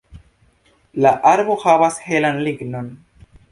La arbo havas helan lignon.